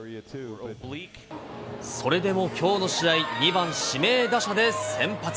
それでもきょうの試合、２番指名打者で先発。